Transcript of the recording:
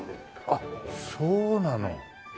あっそうなの。